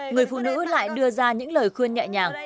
người phụ nữ lại đưa ra những lời khuyên nhẹ nhàng